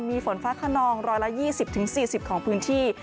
มีฝนฟ้าขนอง๑๒๐๔๐ของพื้นที่